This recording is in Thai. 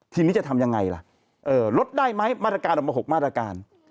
ทีนี้จะทำยังไงล่ะลดได้ไหมมาตรการออกมา๖มาตรการ